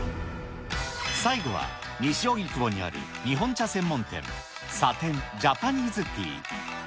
最後は西荻窪にある日本茶専門店、サテンジャパニーズティー。